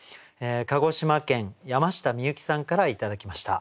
鹿児島県山下みゆきさんから頂きました。